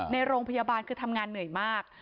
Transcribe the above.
ในโรงพยาบาลคือทำงานเหนื่อยมาก